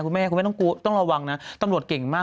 กูแม่ต้องรัววังน่ะตำรวจเก่งมาก